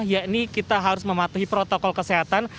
yakni kita harus mematuhi protokol kesehatan